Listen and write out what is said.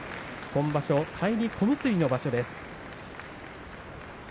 今場所、返り小結の場所です。